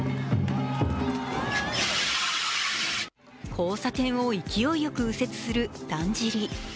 交差点を勢いよく右折するだんじり。